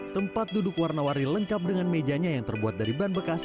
tempat duduk warna warni lengkap dengan mejanya yang terbuat dari ban bekas